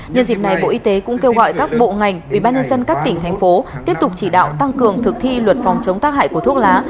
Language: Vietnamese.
nhân dịp này bộ y tế cũng kêu gọi các bộ ngành ubnd các tỉnh thành phố tiếp tục chỉ đạo tăng cường thực thi luật phòng chống tác hại của thuốc lá